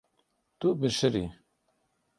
Tu bişirî.